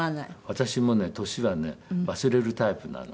私もね年はね忘れるタイプなの。